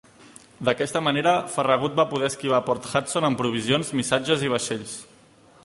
D'aquest manera, Farragut va poder esquivar Port Hudson amb provisions, missatges i vaixells.